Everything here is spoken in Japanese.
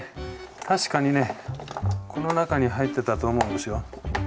確かにねこの中に入ってたと思うんですよ。